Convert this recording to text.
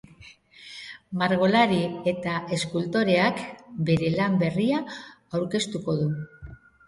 Margolari eta eskultoreak bere lan berria aurkeztuko du.